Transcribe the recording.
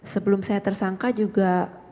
sebelum saya tersangka juga